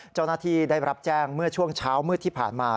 เจ้าหน้าที่ได้รับแจ้งเมื่อช่วงเช้ามืดที่ผ่านมา